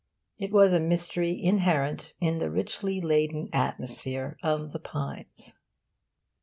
It was a mystery inherent in the richly laden atmosphere of The Pines....